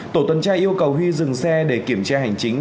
tổ tuần tra yêu cầu huy dừng xe để kiểm tra hành chính